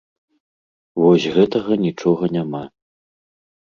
Вось гэтага нічога няма.